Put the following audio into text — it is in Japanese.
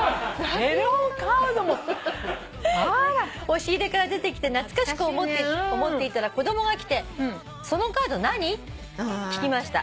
「押し入れから出てきて懐かしく思っていたら子供が来て『そのカード何？』って聞きました」